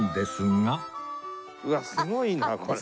うわっすごいなこれ。